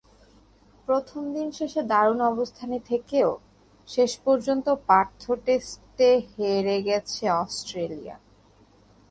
প্রথম দিন শেষে দারুণ অবস্থানে থেকেও শেষ পর্যন্ত পার্থ টেস্টে হেরে গেছে অস্ট্রেলিয়া।